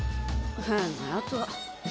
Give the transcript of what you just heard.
変なやつ。